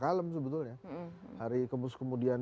kalem sebetulnya hari kemudian